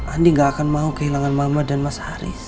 andi gak akan mau kehilangan mama dan mas haris